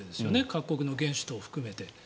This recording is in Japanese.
各国の元首等を含めて。